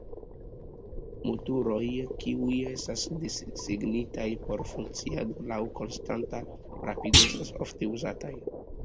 Motoroj kiuj estas desegnitaj por funkciado laŭ konstanta rapido estas ofte uzataj.